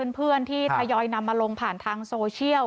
เพื่อนที่ถยอยนำมาลงของเข้าระไหวทางโซเชียล